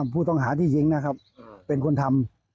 ผู้ต้องหาที่ยิงนะครับเป็นคนทำ